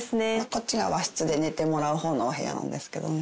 こっちが和室で寝てもらう方のお部屋なんですけどね。